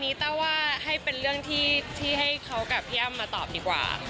มิ๊ตตาว่าเป็นเรื่องที่ให้พี่อำกับเขามาตอบดีกว่า